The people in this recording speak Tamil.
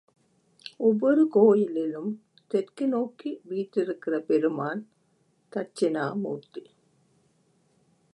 ஒவ்வொரு கோயிலிலும் தெற்கு நோக்கி வீற்றிருக்கிற பெருமான் தட்சிணாமூர்த்தி.